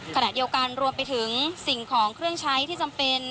ขณะเดียวกันรวมไปถึงสิ่งของเครื่องใช้ที่จำเป็น